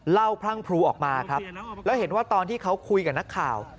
พรั่งพลูออกมาครับแล้วเห็นว่าตอนที่เขาคุยกับนักข่าว